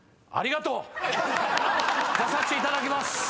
出させていただきます！